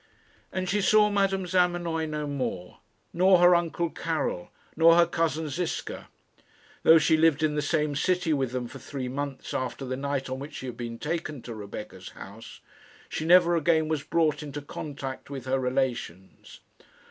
And she saw Madame Zamenoy no more, nor her uncle Karil, nor her cousin Ziska. Though she lived in the same city with them for three months after the night on which she had been taken to Rebecca's house, she never again was brought into contact with her relations.